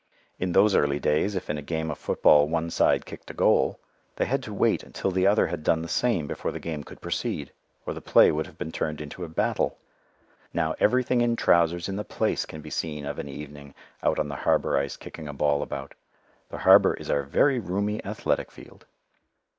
In those early days if in a game of football one side kicked a goal, they had to wait till the other had done the same before the game could proceed, or the play would have been turned into a battle. Now everything in trousers in the place can be seen of an evening out on the harbour ice kicking a ball about. The harbour is our very roomy athletic field.